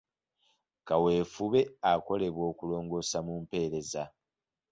Kaweefube akolebwa okulongoosa mu mpereza.